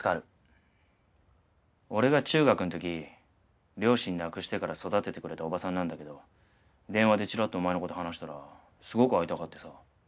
俺が中学の時両親亡くしてから育ててくれた伯母さんなんだけど電話でチラッとお前の事話したらすごく会いたがってさ。